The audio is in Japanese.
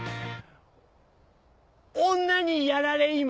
女にやられ今井！